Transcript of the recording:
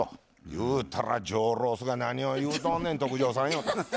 言うたら上ロースが「何を言うとんねん特上さんよ」と。